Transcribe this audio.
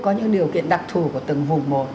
có những điều kiện đặc thù của từng vùng một